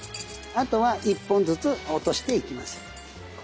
あとは１本ずつ落としていきます。